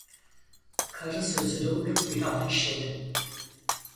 Karı sözüne uyup bir halt işledim!